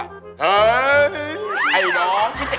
เอาออกมาเอาออกมาเอาออกมา